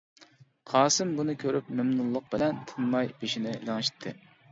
قاسىم بۇنى كۆرۈپ مەمنۇنلۇق بىلەن تىنماي بېشىنى لىڭشىتتى.